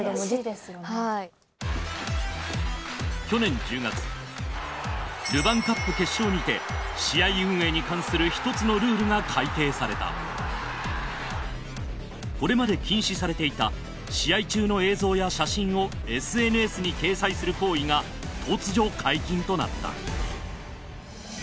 去年１０月ルヴァンカップ決勝にて試合運営に関する１つのルールが改訂されたこれまで禁止されていた試合中の映像や写真をＳＮＳに掲載する行為が突如解禁となった。